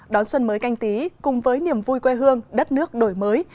đón xuân mới canh tí cùng với niềm vui quê hương đất nước đổi mới